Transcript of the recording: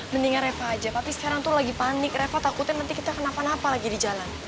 mendingan reva aja tapi sekarang tuh lagi panik reva takutin nanti kita kenapa napa lagi di jalan